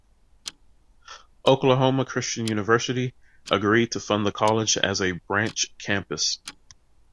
Oklahoma Christian University agreed to fund the college as a branch campus.